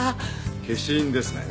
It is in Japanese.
消印ですね？